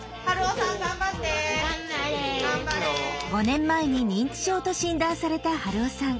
５年前に認知症と診断された春雄さん。